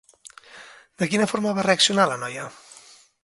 De quina forma va reaccionar la noia?